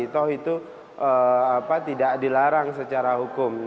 toh itu tidak dilarang secara hukum